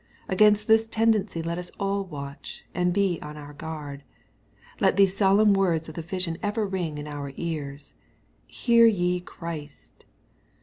Against fhis tendency let us all watch, and be on our guard. Let these solemn words of the vision ever ring in our ears, " Hear ye Christ."